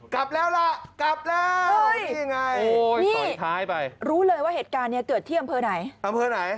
กลับแล้วล่ะกลับแล้วนี่ไงโอ้ยสอยท้ายไปนี่รู้เลยว่าเหตุการณ์เนี้ยเกือบที่อำเภอไหน